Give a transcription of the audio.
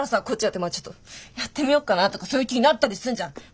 こっちだってまあちょっとやってみよっかなとかそういう気になったりすんじゃん。